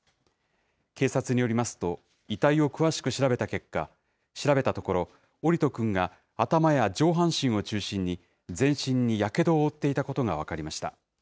警察によりますと、遺体を詳しく調べたところ、桜利斗くんが頭や上半身を中心に全身にやけどを負っていたことが分かりました。